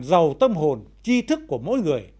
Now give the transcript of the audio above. giàu tâm hồn chi thức của mỗi người